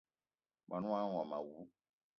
Mon manga womo awou!